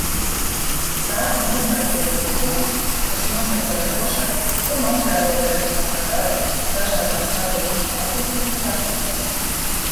Tā noskaidro likumus, kas nosaka ražošanu un materiālo vērtību sadali dažādās sabiedrības attīstības pakāpēs.